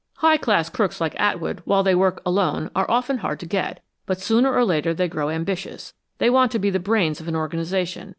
"High class crooks like Atwood, while they work alone, are often hard to get, but sooner or later they grow ambitious. They want to be the brains of an organization.